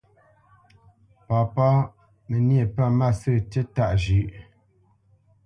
Papá: Mə níe pə̂ mâsə̂ tíí tâʼ zhʉ̌ʼ.